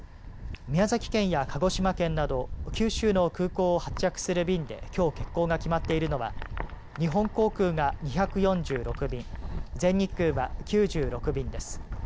宮崎県や鹿児島県など九州の空港を発着する便できょう欠航が決まっているのは日本航空が２４６便全日空は９６便です。